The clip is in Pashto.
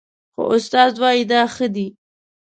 خو استاد وايي دا ښه دي